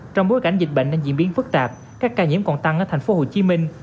trong bối cảnh dịch bệnh đang diễn biến phức tạp các ca nhiễm còn tăng ở thành phố hồ chí minh